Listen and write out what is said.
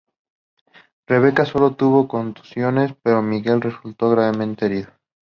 Rebecca sólo tuvo contusiones, pero Miguel resultó gravemente herido.